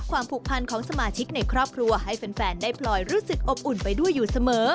ผูกพันของสมาชิกในครอบครัวให้แฟนได้พลอยรู้สึกอบอุ่นไปด้วยอยู่เสมอ